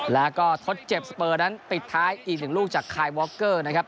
แล้วก็ทดเจ็บสเปอร์นั้นปิดท้ายอีกหนึ่งลูกจากคายวอคเกอร์นะครับ